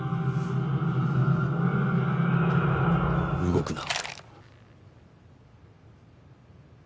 動くな。